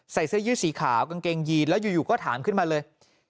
เสื้อยืดสีขาวกางเกงยีนแล้วอยู่ก็ถามขึ้นมาเลย